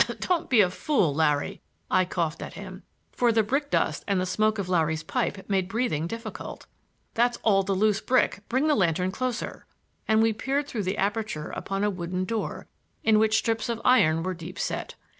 "Don't be a fool, Larry," I coughed at him, for the brick dust and the smoke of Larry's pipe made breathing difficult. "That's all the loose brick,—bring the lantern closer," —and we peered through the aperture upon a wooden door, in which strips of iron were deep set.